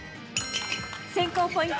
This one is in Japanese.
選考ポイント